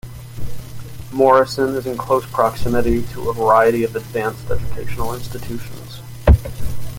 Morrison is in close proximity to a variety of advanced educational institutions.